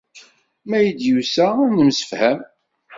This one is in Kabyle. Ma ay d-yusa ad nemsefham